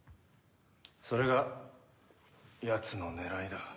それが奴の狙いだ。